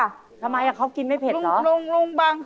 อะไรอีกนี่อะไรอีก